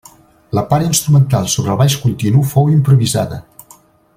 La part instrumental sobre el baix continu fou improvisada.